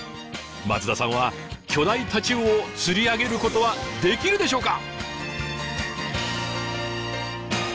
松田さんは巨大タチウオを釣り上げることはできるでしょうか？